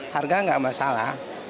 harga enggak masalah